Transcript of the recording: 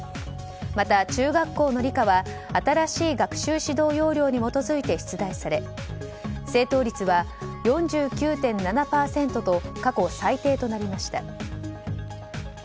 また、中学校の理科は新しい学習指導要領に基づいて出題され正答率は４９．７％と過去最低となりました。